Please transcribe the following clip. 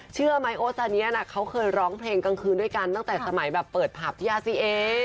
เชื่อไหมโอซาเนียเขาเคยร้องเพลงกลางคืนด้วยกันตั้งแต่สมัยแบบเปิดผับที่อาซีเอ